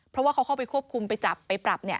เพราะว่าเขาเข้าไปควบคุมไปจับไปปรับ